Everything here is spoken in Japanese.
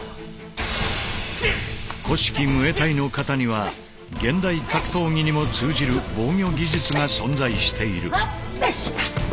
古式ムエタイの形には現代格闘技にも通じる防御技術が存在している。